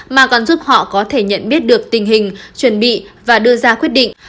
mà còn giúp họ có thể nhận biết được tình hình chuẩn bị và đưa ra quyết định